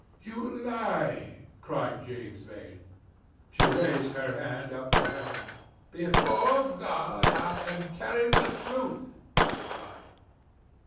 "You lie!" cried James Vane. She raised her hand up to heaven. "Before God I am telling the truth," she cried.